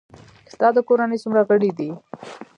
ستا د کورنۍ څومره غړي دي؟